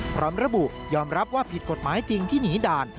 พร้อมระบุยอมรับว่าผิดกฎหมายจริงที่หนีด่าน